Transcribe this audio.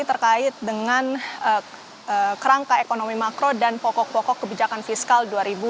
terkait dengan kerangka ekonomi makro dan pokok pokok kebijakan fiskal dua ribu dua puluh